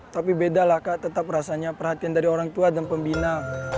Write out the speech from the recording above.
tapi beda lah kak tetap rasanya perhatian dari orang tua dan pembina